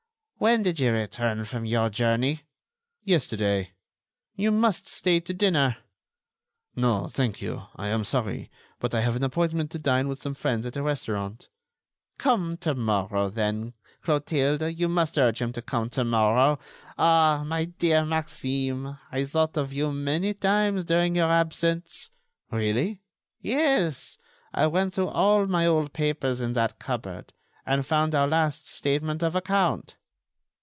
"When did you return from your journey?" "Yesterday." "You must stay to dinner." "No, thank you, I am sorry, but I have an appointment to dine with some friends at a restaurant." "Come, to morrow, then, Clotilde, you must urge him to come to morrow. Ah! my dear Maxime.... I thought of you many times during your absence." "Really?" "Yes, I went through all my old papers in that cupboard, and found our last statement of account."